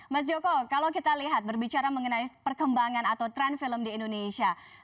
mas joko kalau kita lihat berbicara mengenai perkembangan atau tren film di indonesia